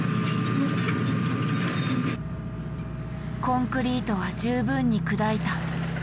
コンクリートは十分に砕いた。